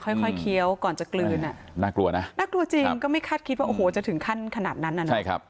ค่อยเคี้ยวก่อนจะกลืนน่ากลัวนะน่ากลัวจริงก็ไม่คาดคิดว่าจะถึงขั้นขนาดนั้นนะ